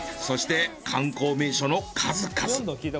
そして観光名所の数々。